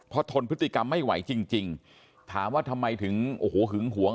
เพราะทนพฤติกรรมไม่ไหวจริงจริงถามว่าทำไมถึงโอ้โหหึงหวง